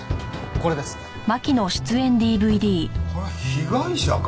これは被害者か？